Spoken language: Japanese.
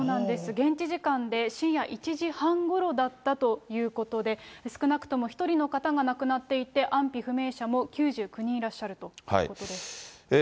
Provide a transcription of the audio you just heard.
現地時間で深夜１時半ごろだったということで、少なくとも１人の方が亡くなっていて、安否不明者も９９人いらっしゃるということです。